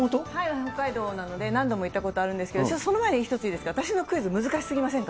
北海道なので、何度も行ったことあるんですけど、その前に一ついいですか、私のクイズ、難しすぎませんか。